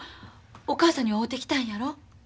お母さんには会うてきたんやろ？